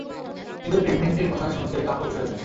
কিন্তু প্রেগনেন্টের কথা শুনতেই কাপুরুষ হয়ে যায়।